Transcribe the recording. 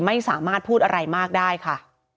ไม่สามารถพูดอะไรมากได้ค่ะ